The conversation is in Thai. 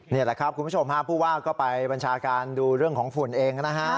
นี่แหละครับคุณผู้ชมฮะผู้ว่าก็ไปบัญชาการดูเรื่องของฝุ่นเองนะฮะ